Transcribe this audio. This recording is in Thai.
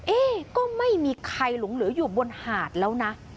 เอ๊ก็ไม่มีใครหลงเหลืออยู่บนหาดแล้วนะ